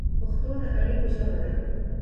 پښتو د اړیکو ژبه ده.